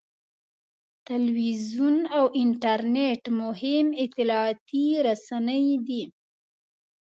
تلویزیون او انټرنېټ مهم اطلاعاتي رسنۍ دي.